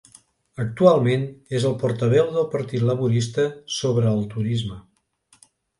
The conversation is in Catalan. Actualment és el portaveu del Partit Laborista sobre el turisme.